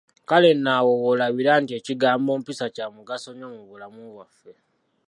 Kale nno awo w'olabira nti ekigambo mpisa kya mugaso nnyo mu bulamu bwaffe.